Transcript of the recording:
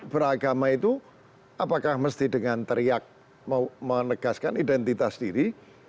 beragama itu apakah mesti dengan teriak menegaskan identitas diri